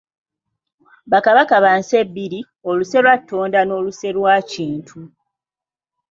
Ba Kabaka ba Nse bbiri, oluse lwa Ttonda n’oluse lwa Kintu.